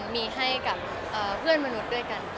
มีให้กับเพื่อนมนุษย์ด้วยกัน